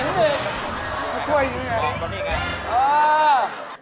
บอกตอนนี้ไง